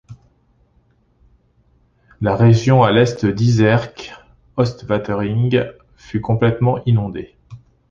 La région à l'est d'Yerseke, Oost-Watering, fut complètement inondée.